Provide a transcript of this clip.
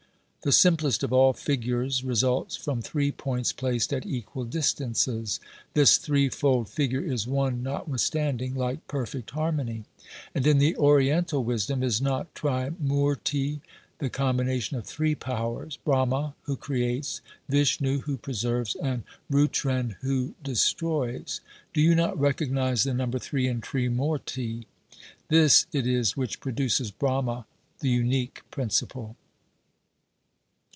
The simplest of all figures results from three points placed at equal distances. This three fold figure is one notwithstanding, like perfect harmony. And in the oriental wisdom, is not Trimourti the combina tion of three powers — Brahma, who creates ; Vishnou, who preserves ; and Routren, who destroys ? Do you not re cognise the number three in Trimourti ? This it is which produces Brahma, the unique principle.